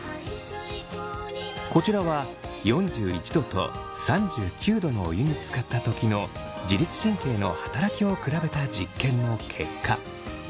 こちらは４１℃と３９℃のお湯につかった時の自律神経の働きを比べた実験の結果。